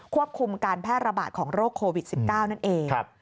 ควบคุมการแพร่ระบาดของโรคโควิด๑๙นั่นเอง